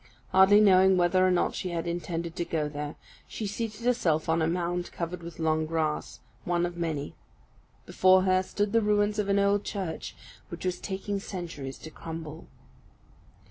Hardly knowing whether or not she had intended to go there, she seated herself on a mound covered with long grass, one of many. Before her stood the ruins of an old church which was taking centuries to crumble.